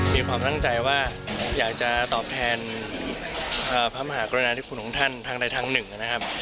มีความตั้งใจว่าอยากจะตอบแทนพระมหากรุณาธิคุณของท่านทางใดทางหนึ่งนะครับ